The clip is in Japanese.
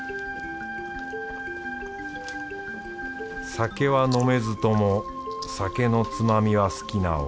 酒は飲めずとも酒のつまみは好きな俺